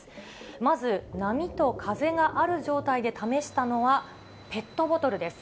まず、波と風がある状態で試したのは、ペットボトルです。